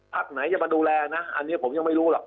ไหนจะมาดูแลนะอันนี้ผมยังไม่รู้หรอก